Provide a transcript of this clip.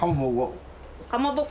かまぼこ？